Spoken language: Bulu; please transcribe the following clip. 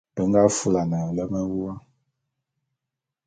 Be nga fulane nlem wua.